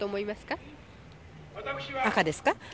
赤ですか？